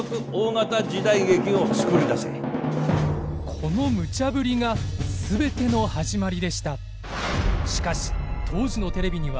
このムチャぶりが全ての始まりでした。